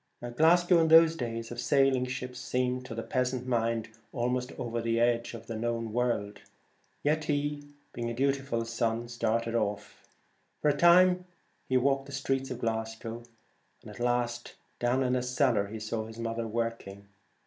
Glasgow in those days of sailing ships seemed to the peasant mind almost over the edge of the known world, yet he, being a dutiful son, started away. For a long time he walked the streets of Glas gow ; at last down in a cellar he saw his 121 The mother working.